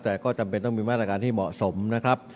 แต่ก็จำเป็นต้องมีมาตรการที่เหมาะสมนะครับ